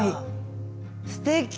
すてき！